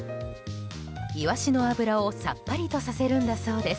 イワシの脂をさっぱりとさせるんだそうです。